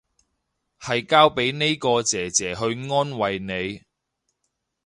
係交俾呢個姐姐去安慰你